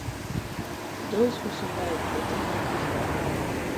Those who survived were taken prisoner.